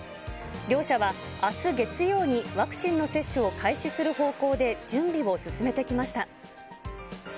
両社はあす月曜にワクチンの接種を開始する方向で準備を進めてきました。